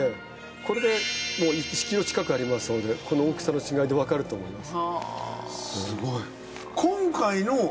これでもう１ｋｇ近くありますのでこの大きさの違いでわかると思います。